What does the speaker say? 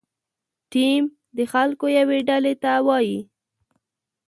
ټیم د خلکو یوې ډلې ته وایي.